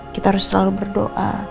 kita harus selalu berdoa